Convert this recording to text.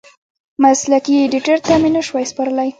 مسلکي ایډېټر ته مې نشوای سپارلی.